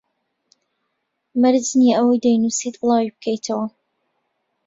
مەرج نییە ئەوەی دەینووسیت بڵاوی بکەیتەوە